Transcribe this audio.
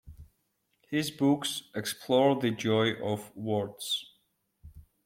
His books explore the joy of words.